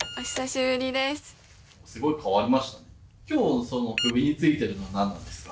今日のその首に付いてるのは何なんですか？